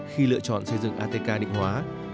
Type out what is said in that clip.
khi lựa chọn xây dựng atk định hóa